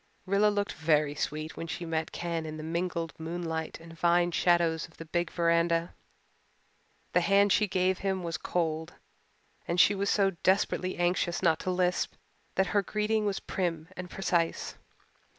Rilla looked very sweet when she met Ken in the mingled moonlight and vine shadows of the big veranda. The hand she gave him was cold and she was so desperately anxious not to lisp that her greeting was prim and precise.